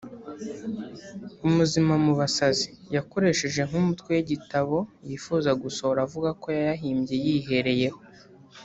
Umuzima mu Basazi” yakoresheje nk’umutwe w’igitabo yifuza gusohora avuga ko yayahimbye yihereyeho